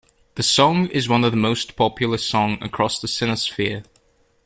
The song is one of the most popular song across the Sinosphere.